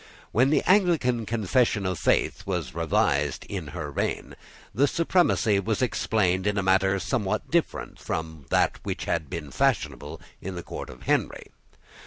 When the Anglican confession of faith was revised in her reign, the supremacy was explained in a manner somewhat different from that which had been fashionable at the court of Henry.